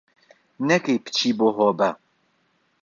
نەکەی بچی بۆ هۆبە